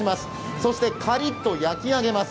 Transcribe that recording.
そしてカリッと焼き上げます。